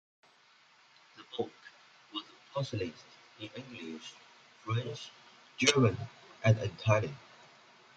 The book was published in English, French, German and Italian.